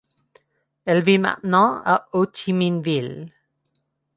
Elle vit maintenant à Hô-Chi-Minh-Ville.